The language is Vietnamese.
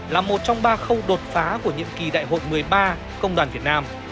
là một trong ba khâu đột phá của nhiệm kỳ đại hội một mươi ba công đoàn việt nam